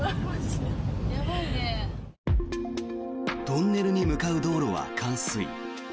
トンネルに向かう道路は冠水。